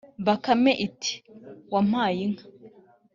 Bakame iti: "wampaye inka!